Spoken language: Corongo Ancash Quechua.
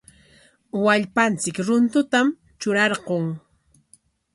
Wallpanchik runtutam trurarqun.